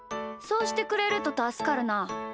そうしてくれるとたすかるな。